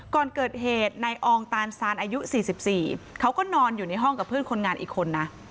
ก่อนเกิดเหตุในอองตานซานอายุ๔๔เขาก็นอนอยู่ในห้องกับเพื่อนคนงานอีกคนนะ